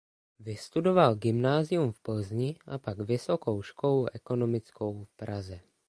Vystudoval gymnázium v Plzni a pak Vysokou školu ekonomickou v Praze.